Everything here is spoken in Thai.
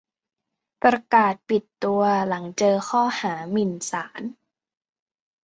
ประกาศปิดตัว หลังเจอข้อหา "หมิ่นศาล"